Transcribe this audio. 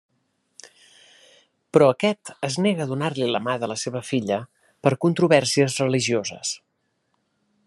Però, aquest es nega a donar-li la mà de la seva filla, per controvèrsies religioses.